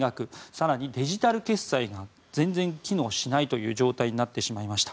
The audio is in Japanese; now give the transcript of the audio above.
更に、デジタル決済が全然機能しないという状態になってしまいました。